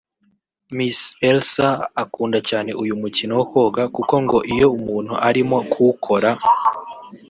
Miss Elsa akunda cyane uyu mukino wo koga kuko ngo iyo umuntu arimo kuwukora